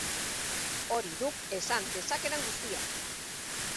Hori duk esan dezakedan guztia.